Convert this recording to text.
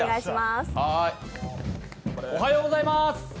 おはようございます！